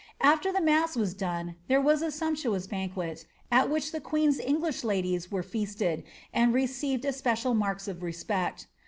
After the mass was done, was a sumptuous banquet, at which the queen's English ladies feasted, and received especial marks of respect.